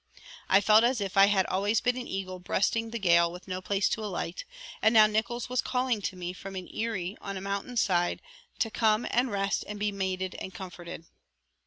I felt as if I had always been an eagle breasting the gale with no place to alight, and now Nickols was calling to me from an eyrie on a mountain side to come and rest and be mated and comforted.